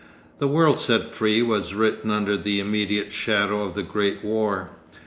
The World Set Free was written under the immediate shadow of the Great War.